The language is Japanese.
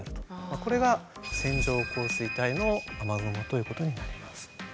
これが線状降水帯の雨雲ということになります。